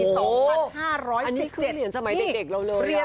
อันนี้คือเหรียญสมัยเด็กเราเลยอ่ะ